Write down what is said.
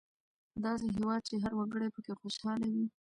داسې هېواد چې هر وګړی پکې خوشحاله وي.